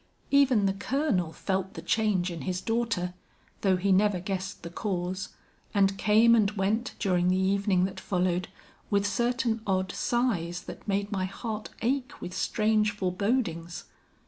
"Even the Colonel felt the change in his daughter, though he never guessed the cause, and came and went during the evening that followed, with certain odd sighs that made my heart ache with strange forebodings.